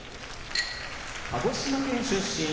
鹿児島県出身